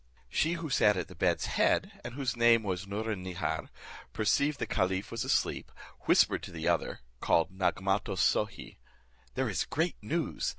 She who sat at the bed's head, and whose name was Nouron Nihar, perceiving the caliph was asleep, whispered to the other, called Nagmatos Sohi,"There is great news!